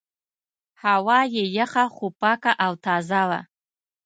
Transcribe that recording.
هوا یې یخه خو پاکه او تازه وه.